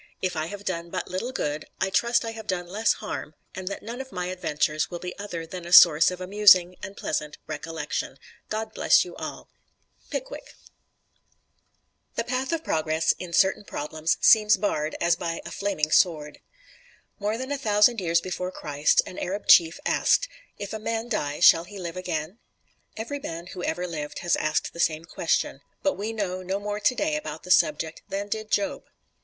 If I have done but little good, I trust I have done less harm, and that none of my adventures will be other than a source of amusing and pleasant recollection. God bless you all! Pickwick [Illustration: CHARLES DICKENS] The path of progress in certain problems seems barred as by a flaming sword. More than a thousand years before Christ, an Arab chief asked, "If a man die shall he live again?" Every man who ever lived has asked the same question, but we know no more today about the subject than did Job.